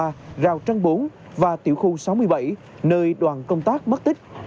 thủy điện giao trang ba giao trang bốn và tiểu khu sáu mươi bảy nơi đoàn công tác mất tích